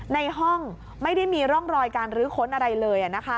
ในห้องไม่ได้มีร่องรอยการรื้อค้นอะไรเลย